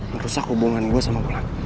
merusak hubungan gue sama pelatih